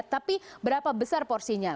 tapi berapa besar porsinya